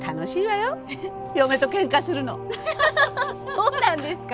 そうなんですか？